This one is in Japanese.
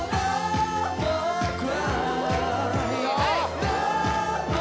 はい！